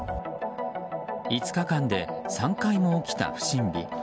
５日間で３回も起きた不審火。